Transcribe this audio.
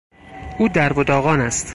او درب و داغان است.